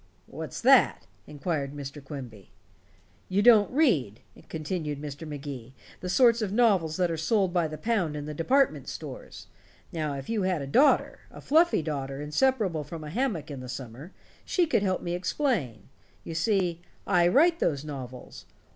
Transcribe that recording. "What's that?" inquired Mr. Quimby. "You don't read," continued Mr. Magee, "the sort of novels that are sold by the pound in the department stores. Now, if you had a daughter a fluffy daughter inseparable from a hammock in the summer she could help me explain. You see I write those novels.